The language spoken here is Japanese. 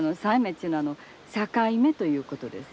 ちゅうのは境目ということです。